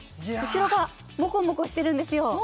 後ろがモコモコしてるんですよ